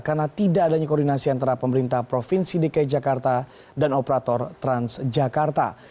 karena tidak adanya koordinasi antara pemerintah provinsi dki jakarta dan operator transjakarta